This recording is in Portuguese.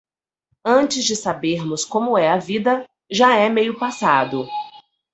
Antes de sabermos como é a vida, já é meio passado.